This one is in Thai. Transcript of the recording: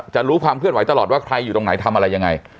รู้ความเคลื่อนไหวตลอดว่าใครอยู่ตรงไหนทำอะไรยังไง